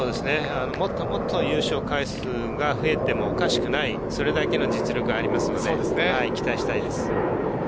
もっと優勝回数が増えてもおかしくない、それだけの実力がありますので期待したいです。